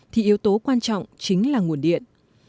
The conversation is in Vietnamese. thì yếu tố quan trọng chính là nguồn điện